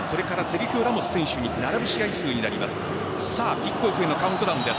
セルヒオ・ラモス選手に並ぶ試合数になります。